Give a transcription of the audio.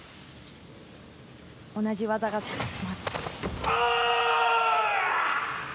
同じ技が続きます。